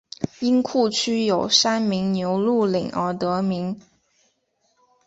因库区有山名牛路岭而得名。